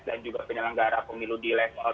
dan juga penyelenggara pemilu di level